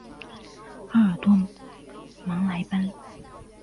阿尔罗芒谢莱班。